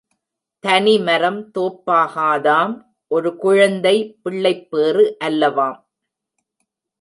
தனி மரம் தோப்பாகாதாம் ஒரு குழந்தை பிள்ளைப்பேறு அல்லவாம்.